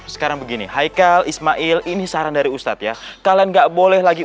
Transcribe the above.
sekarang begini haikal ismail ini saran dari ustadz ya kalian nggak boleh lagi